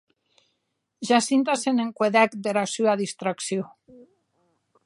Jacinta se n’encuedèc dera sua distraccion.